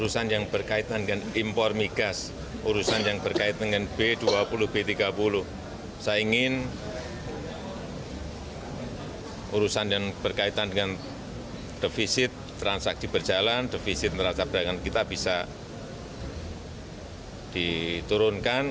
saya ingin urusan yang berkaitan dengan defisit transaksi berjalan defisit neraca perdagangan kita bisa diturunkan